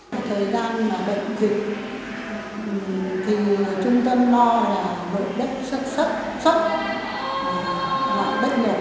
trong thời gian bệnh dịch trung tâm lo là bởi đất sắc sắc và đất đẹp